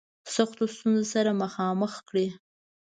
سختو ستونزو سره مخامخ کړي.